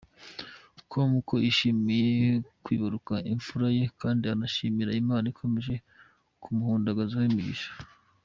com ko yishimiye kwibaruka imfura ye kandi anashimira Imana ikomeje kumuhundagazaho imigisha.